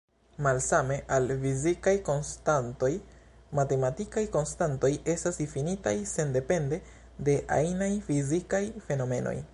Malsame al fizikaj konstantoj, matematikaj konstantoj estas difinitaj sendepende de ajnaj fizikaj fenomenoj.